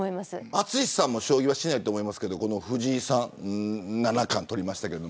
淳さんは将棋はしないと思いますが藤井さんが七冠取りましたが。